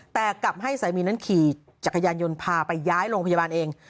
แต่กลับให้สามีนั้นขี่จักรยานยนต์พาไปย้ายโรงพยาบาลเอง